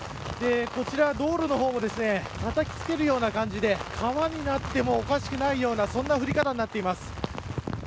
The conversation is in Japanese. こちら道路の方もたたきつけるような感じで川になってもおかしくないようなそんな降り方になっています。